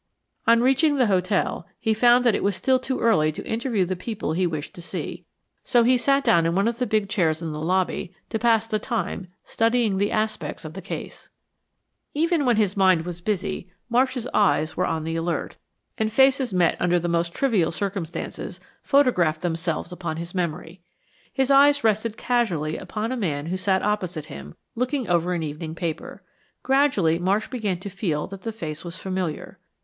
On reaching the hotel he found that it was still too early to interview the people he wished to see, so he sat down in one of the big chair in the lobby to pass the time studying the aspects of the case. Even when his mind was busy, Marsh's eyes were on the alert, and faces met under the most trivial circumstances, photographed themselves upon his memory. His eyes rested casually upon a man who sat opposite him, looking over an evening paper. Gradually Marsh began to feel that the face was familiar.